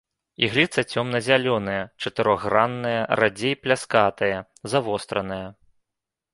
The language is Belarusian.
Ігліца цёмна-зялёная, чатырохгранная, радзей, пляскатая, завостраная.